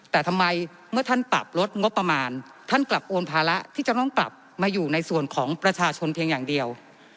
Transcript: แต่ทำไมเมื่อท่านปรับลดงบประมาณท่านกลับโอนภาระที่จะต้องกลับมาอยู่ในส่วนของประชาชนเพียงอย่างเดียว